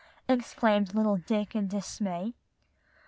exclaimed little Dick in dismay.